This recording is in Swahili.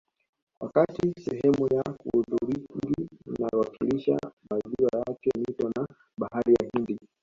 Wakati sehemu ya hudhurungi inawakilisha maziwa yake mito na Bahari ya Hindi